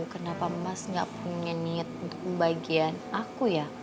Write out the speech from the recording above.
kenapa mas gak punya niat untuk pembagian aku ya